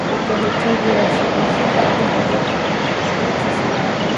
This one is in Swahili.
utahitaji kuwasilisha taarifa zako kwenye taasisi husika